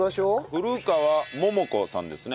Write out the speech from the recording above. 古川桃子さんですね。